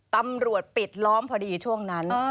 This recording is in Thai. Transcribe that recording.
ตำรวจปิดล้อมพอดีช่วงนั้น